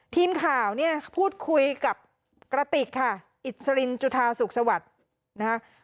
ทีมข่าวเนี่ยพูดคุยกับกระติกค่ะอิสรินจุธาสุขสวัสดิ์นะคะ